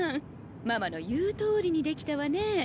ママの言うとおりにできたわね。